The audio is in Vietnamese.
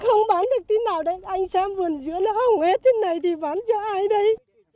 không bán được tí nào đấy anh xem vườn dứa nó hổng hết thế này thì bán cho ai đấy